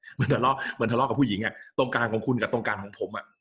เหมือนทะเลาะกับผู้หญิงตรงกลางของคุณกับตรงกลางของผม